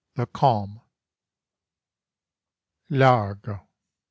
THE CALM _Largo.